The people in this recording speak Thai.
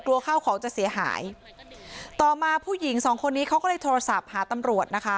ข้าวของจะเสียหายต่อมาผู้หญิงสองคนนี้เขาก็เลยโทรศัพท์หาตำรวจนะคะ